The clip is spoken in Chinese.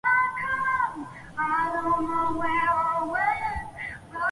清末民初军事将领。